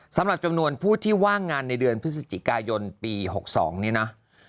สำหรับจำนวนผู้ที่ว่างงานในเดือนพฤศจิกายนปี๖๒นี้นะ